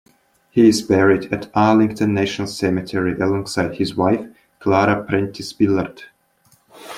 He is buried at Arlington National Cemetery alongside his wife, Clara Prentis Billard.